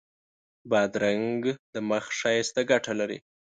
بادرنګ د مخ ښایست ته ګټه لري.